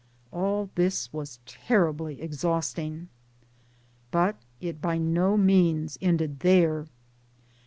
all this was terribly exhausting. But it by no means ended there.